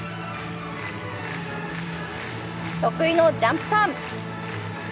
得意のジャンプターン。